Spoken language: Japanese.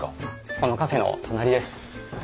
このカフェの隣です。